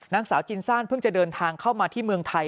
นางสาวจินซ่านเพิ่งจะเดินทางเข้ามาที่เมืองไทย